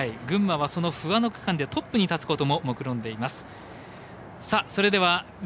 群馬は、その不破の区間でトップに立つことももくろんでいます。